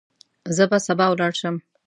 زه به سبا ولاړ شم.